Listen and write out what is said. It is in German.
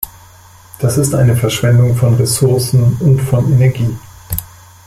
Das ist eine Verschwendung von Ressourcen und von Energie.